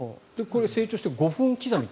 これ、成長して５分刻み。